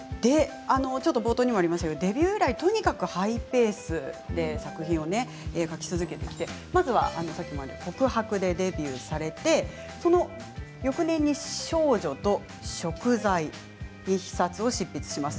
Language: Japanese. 冒頭にもありましたがデビュー以来とにかくハイペースで作品を書き続けてきてまずは「告白」でデビューされてその翌年に「少女」と「贖罪」２冊を執筆します。